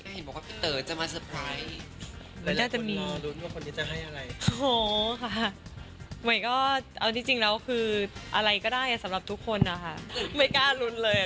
เห็นบอกว่าพี่เตอร์จะมาเซอร์ไพรส์หลายคนลาลุ้นว่าคนนี้จะให้อะไร